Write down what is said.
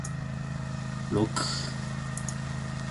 Kungenzeka ukuthi kubangwa ukungabi khona komama.